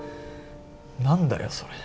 何だよそれ。